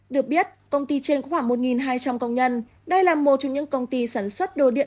được biết công ty trên có khoảng một hai trăm linh công nhân đây là một trong những công ty sản xuất đồ điện